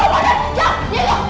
jangan buang sana